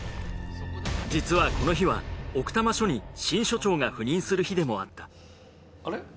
実はこの日は奥多摩署に新署長が赴任する日でもあったあれ？